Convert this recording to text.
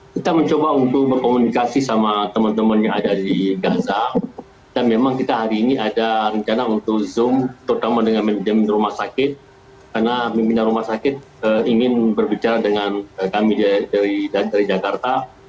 pak sarbini berkata bahwa mereka sudah selamat dalam kondisi yang juga sehat